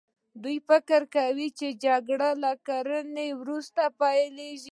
دوی فکر کوي جګړه له کرنې وروسته پیل شوه.